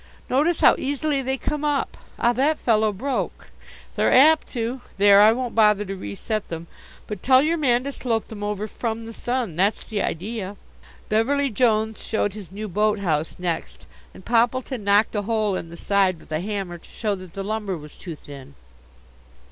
Notice how easily they come up. Ah, that fellow broke! They're apt to. There, I won't bother to reset them, but tell your man to slope them over from the sun. That's the idea." Beverly Jones showed his new boat house next and Poppleton knocked a hole in the side with a hammer to show that the lumber was too thin.